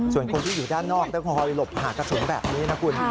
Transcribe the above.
ส่วนคนที่อยู่ด้านนอกช่วยหลบพอหากระสุนแบบนี้คุณ